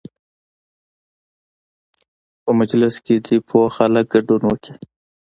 په مجلس کې دې پوه خلک ګډون وکړي.